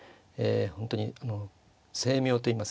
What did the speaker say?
本当に精妙といいますかね